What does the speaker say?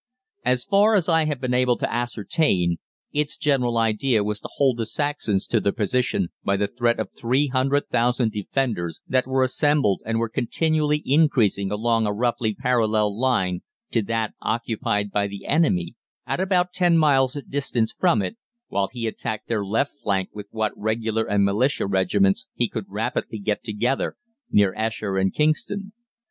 "As far as I have been able to ascertain, its general idea was to hold the Saxons to their position by the threat of 300,000 Defenders that were assembled and were continually increasing along a roughly parallel line to that occupied by the enemy at about ten miles' distance from it, while he attacked their left flank with what Regular and Militia regiments he could rapidly get together near Esher and Kingston.